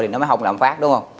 thì nó mới không lãm phát đúng không